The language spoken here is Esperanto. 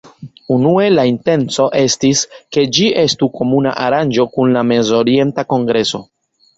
Unue la intenco estis, ke ĝi estu komuna aranĝo kun la Mezorienta Kongreso.